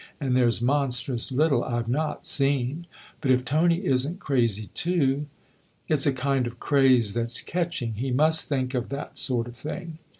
And there's monstrous little I've not seen. But if Tony isn't crazy too ?"" It's a kind of craze that's catching. He must think of that sort of thing."